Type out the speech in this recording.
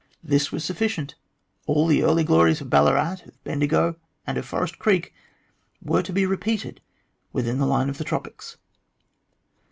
This, 126 THE GLADSTONE COLONY was sufficient : all the early glories of Ballarat, of Bendigo, and of Forest Creek were to be repeated within the line of the tropics.